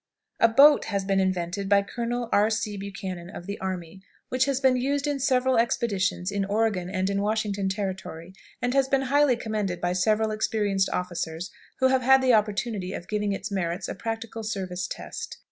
_ A boat has been invented by Colonel R. C. Buchanan, of the army, which has been used in several expeditions in Oregon and in Washington Territory, and has been highly commended by several experienced officers who have had the opportunity of giving its merits a practical service test.